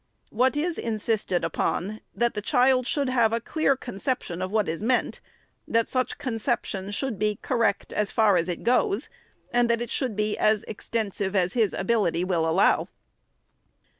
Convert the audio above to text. What is insisted upon is, that the child should have a clear conception of what is meant, that such conception should be correct as far as it goes, and that it should be as extensive as his ability will allow.